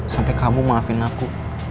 sampai kamu maafin aku